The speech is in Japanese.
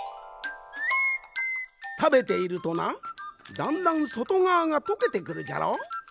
たべているとなだんだんそとがわがとけてくるじゃろ？